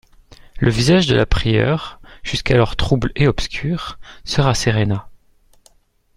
Le visage de la prieure, jusqu'alors trouble et obscur, se rasséréna.